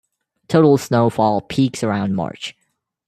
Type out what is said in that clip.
Total snowfall peaks around March.